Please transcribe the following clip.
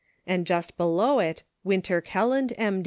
and just below it, " Winter Kelland, M.